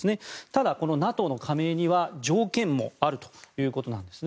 ただ、このＮＡＴＯの加盟には条件もあるということです。